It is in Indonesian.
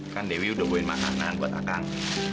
kan dewi udah bawa makanan buat akang